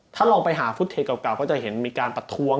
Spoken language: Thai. ถ้าลองไปหาฟุตเทเก่าก็จะเห็นมีการประท้วง